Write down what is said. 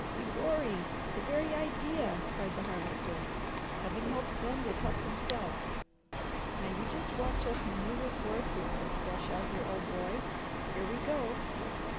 "Begorry! The very idea!" cried the Harvester. "'Heaven helps them that help themselves.' Now you just watch us manoeuvre for assistance, Belshazzar, old boy! Here we go!"